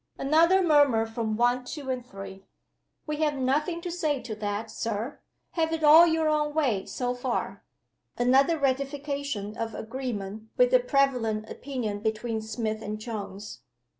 Another murmur from One, Two, and Three. "We have nothing to say to that, Sir; have it all your own way, so far." Another ratification of agreement with the prevalent opinion between Smith and Jones.